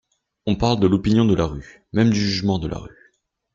On parle de l’opinion de la rue, même du jugement de la rue.